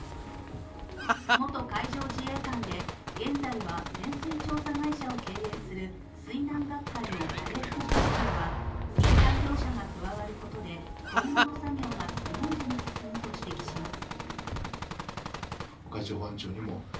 元海上自衛官で、現在は潜水調査会社を経営する水難学会の安倍副会長は民間業者が加わることで、今後の作業がスムーズに進むと指摘します